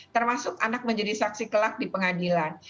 termasuk anak menjadi saksi kelak di pengadilan